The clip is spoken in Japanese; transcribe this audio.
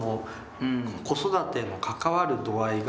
子育ての関わる度合いが。